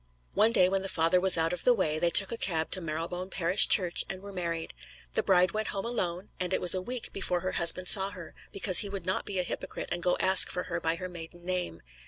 One day when the father was out of the way they took a cab to Marylebone Parish Church and were married. The bride went home alone, and it was a week before her husband saw her; because he would not be a hypocrite and go ask for her by her maiden name.